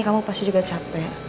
kamu pasti juga capek